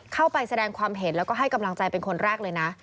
เข้าไปแสดงความเห็นแล้วก็ให้กำลังใจเป็นคนแรกเลยนะ